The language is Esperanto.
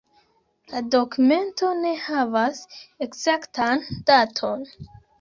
La dokumento ne havas ekzaktan daton.